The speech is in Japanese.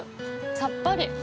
さっぱり。